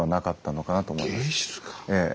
ええ。